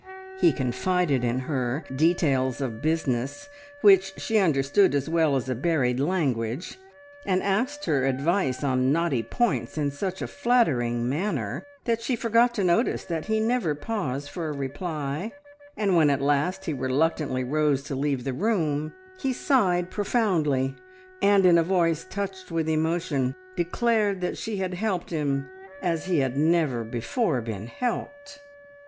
He confided in her details of business, which she understood as well as a buried language, and asked her advice on knotty points in such a flattering manner that she forgot to notice that he never paused for a reply, and when at last he reluctantly rose to leave the room he sighed profoundly, and in a voice touched with emotion declared that she had helped him as he had never before been helped!